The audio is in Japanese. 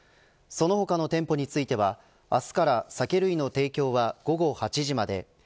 その他の店舗については明日から酒類の提供は午後８時まで。